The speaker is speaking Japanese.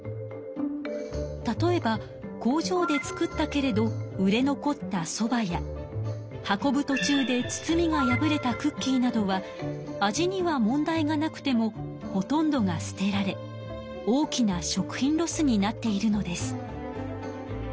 例えば工場で作ったけれど売れ残ったソバや運ぶとちゅうで包みが破れたクッキーなどは味には問題がなくてもほとんどが捨てられ大きな食品ロスになっているのです。